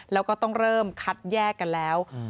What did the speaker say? แล้วก็ต้องเริ่มคัดแยกกันแล้ว